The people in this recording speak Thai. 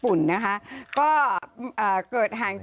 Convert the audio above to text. แผ่นดินไหวยังคะแผ่นดินไหวยังคะ